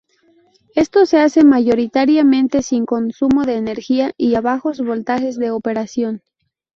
Esto se hace mayoritariamente sin consumo de energía y a bajos voltajes de operación.